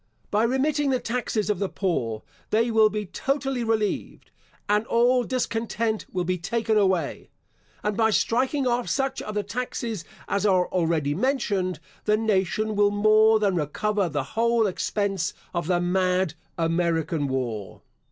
By remitting the taxes of the poor, they will be totally relieved, and all discontent will be taken away; and by striking off such of the taxes as are already mentioned, the nation will more than recover the whole expense of the mad American war.